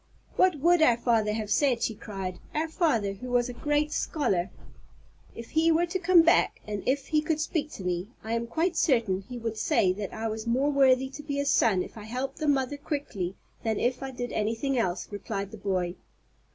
"What would our father have said," she cried; "our father, who was a great scholar?" "If he were to come back, and if he could speak to me, I am quite certain he would say that I was more worthy to be his son if I helped the mother quickly than if I did anything else," replied the boy.